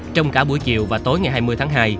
trong cả buổi chiều và tối ngày hai mươi tháng hai